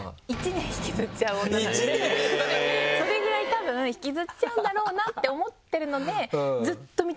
それぐらいたぶんひきずっちゃうんだろうなって思ってるので。